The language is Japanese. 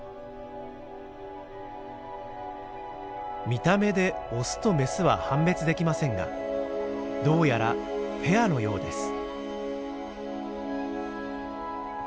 見た目でオスとメスは判別できませんがどうやらペアのようです。